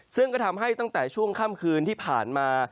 ซึ่งก็ทำให้ตั้งแต่ช่วงค่ำคืนที่ผ่านมา